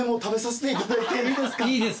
いいですか？